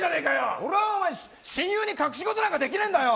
俺は親友に隠し事なんかできねえんだよ！